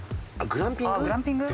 グランピング？